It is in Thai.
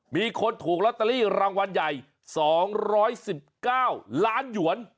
มีคนถูกลอตเตอรี่รางวัลใหญ่๒๑๙ล้านหยวน